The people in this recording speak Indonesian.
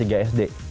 kelas tiga sd